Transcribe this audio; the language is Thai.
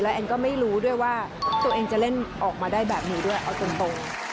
แอนก็ไม่รู้ด้วยว่าตัวเองจะเล่นออกมาได้แบบนี้ด้วยเอาตรง